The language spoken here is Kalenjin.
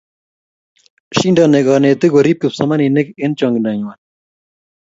shindani kanetik korip kipsomaninik eng chongindo nguay